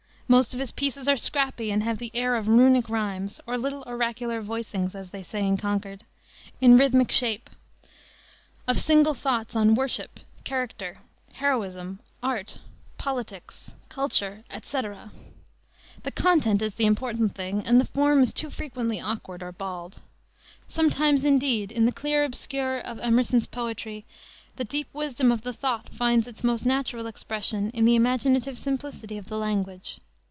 Most of his pieces are scrappy and have the air of runic rimes, or little oracular "voicings" as they say in Concord in rhythmic shape, of single thoughts on "Worship," "Character," "Heroism," "Art," "Politics," "Culture," etc. The content is the important thing, and the form is too frequently awkward or bald. Sometimes, indeed, in the clear obscure of Emerson's poetry the deep wisdom of the thought finds its most natural expression in the imaginative simplicity of the language.